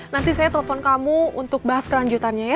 nanti saya telepon kamu untuk bahas kelanjutannya ya